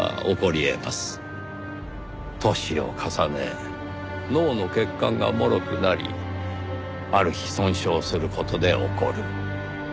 年を重ね脳の血管がもろくなりある日損傷する事で起こる。